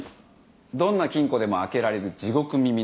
どんな金庫でも開けられる地獄耳の岸田。